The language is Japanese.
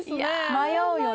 迷うよね。